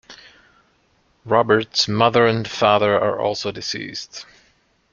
Robert's mother and father are also deceased.